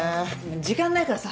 時間ないからさ